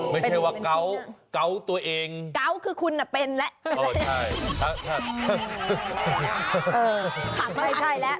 ไม่ใช่ว่าเกาะตัวเองกาวคือคุณหละแปรนร้อนประโจหำโหร